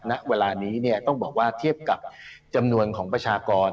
ณเวลานี้ต้องบอกว่าเทียบกับจำนวนของประชากร